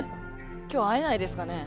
今日会えないですかね？